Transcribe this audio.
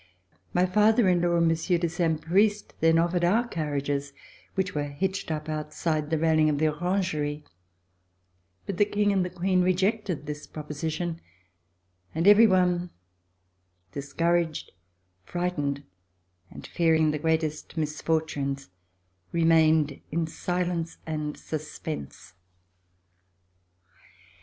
My father in law and Monsieur de Saint Priest then offered our carriages, which were hitched up outside the railing of the Orangerie, but the King and the Queen rejected this proposition, and every RECOLLECTIONS OF THE REVOLUTION one, discouraged, frightened and fearing the greatest misfortunes, remained in silence and suspense.